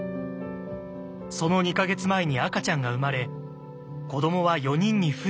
その２か月前に赤ちゃんが生まれ子どもは４人に増えていました。